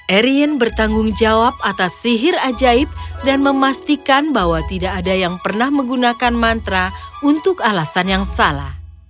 erien bertanggung jawab atas sihir ajaib dan memastikan bahwa tidak ada yang pernah menggunakan mantra untuk alasan yang salah